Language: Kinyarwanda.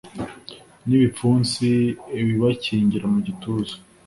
n’ibipfunsi ibibakingira mu gituza